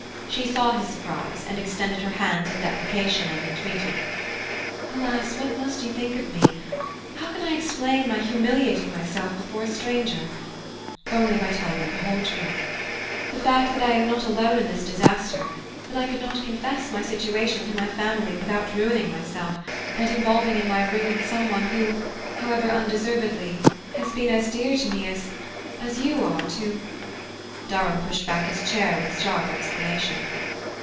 She saw his surprise, and extended her hands in deprecation and entreaty. "Alas, what must you think of me? How can I explain my humiliating myself before a stranger? Only by telling you the whole truth the fact that I am not alone in this disaster, that I could not confess my situation to my family without ruining myself, and involving in my ruin some one who, however undeservedly, has been as dear to me as as you are to " Durham pushed his chair back with a sharp exclamation.